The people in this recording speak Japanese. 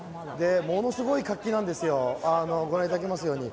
ものすごい活気なんですよ、ご覧いただけますように。